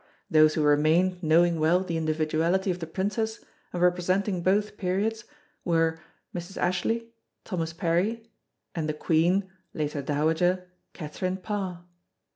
Those who remained knowing well the individuality of the Princess and representing both periods were Mrs. Ashley, Thomas Parry and the Queen (later dowager) Catherine Parr.